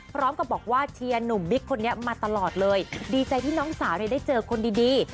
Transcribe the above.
พร้อมกับบอกว่าเชียร์หนุ่มบิ๊กคนนี้มาตลอดเลยดีใจที่น้องสาวได้เจอคนดี